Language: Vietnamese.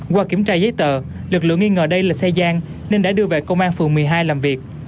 qua kiểm tra giấy tờ lực lượng nghi ngờ đây là xe gian nên đã đưa về công an phường một mươi hai làm việc